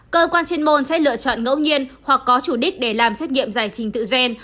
cơ quan chuyên môn sẽ lựa chọn ngẫu nhiên hoặc có chủ đích để làm xét nghiệm giải trình tự gen